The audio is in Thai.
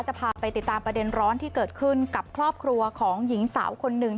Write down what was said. จะพาไปติดตามประเด็นร้อนที่เกิดขึ้นกับครอบครัวของหญิงสาวคนหนึ่ง